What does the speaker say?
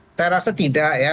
saya rasa tidak ya